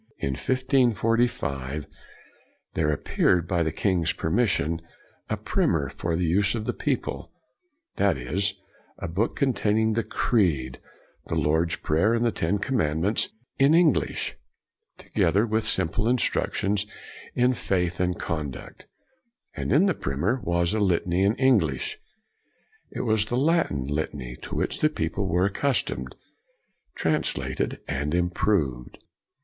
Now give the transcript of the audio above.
In 1545 there appeared by the king's permission a primer for the use of the people; that is, a book containing the Creed, the Lord's Prayer, and the Ten Commandments in CRANMER English, together with simple instructions in faith and conduct; and in the primer was a litany in English. It was the Latin litany, to which the people were accus tomed, translated and improved.